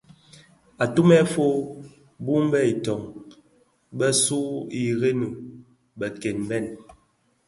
Atumèn fo bum be itöň bö sug ireňi beken bèn.